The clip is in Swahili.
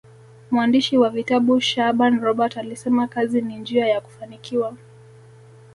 mwandishi wa vitabu shaaban robert alisema kazi ni njia ya kufanikiwa